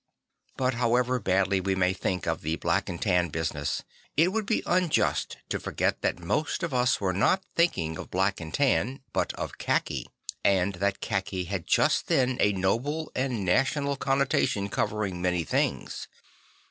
But however badly we may think of the Black and Tan business, it would be unjust to forget that most of us were not thinking of Black and Tan but of khaki; and that khaki had just then a noble and national connotation covering many things.